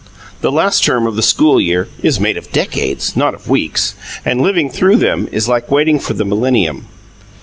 The last term of the school year is made of decades, not of weeks, and living through them is like waiting for the millennium.